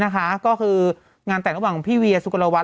ก็คืองานแต่งกับพี่เวียสุโกนละวัต